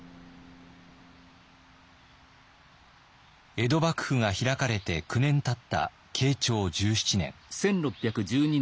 江戸幕府が開かれて９年たった慶長１７年。